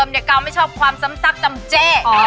แค่แบบดิมแก๊วไม่ชอบความซ้ำซากตำเจ